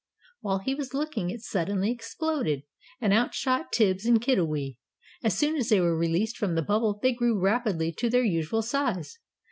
While he was looking, it suddenly exploded, and out shot Tibbs and Kiddiwee. As soon as they were released from the bubble they grew rapidly to their usual size.